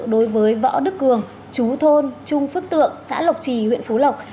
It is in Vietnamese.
đối với võ đức cường chú thôn trung phước tượng xã lộc trì huyện phú lộc